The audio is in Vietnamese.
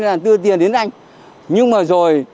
là đưa tiền đến anh nhưng mà rồi